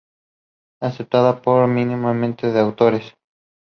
Myanmar did not sent any representatives.